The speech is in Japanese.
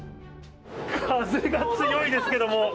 風が強いですけども。